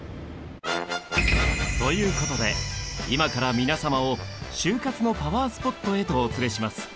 ということで今から皆様を就活のパワースポットへとお連れします。